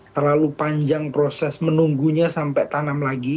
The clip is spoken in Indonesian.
terlalu panjang proses menunggunya sampai tanam lagi